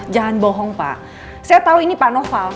jangan bohong pak saya tahu ini pak noval